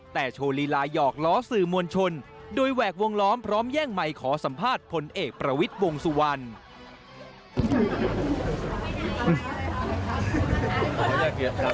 แต่โชว์ลีลายอกล้อสื่อมวลชนโดยแหวกวงล้อมพร้อมแย่งไมค์ขอสัมภาษณ์พลเอกประวิทย์วงสุวรรณ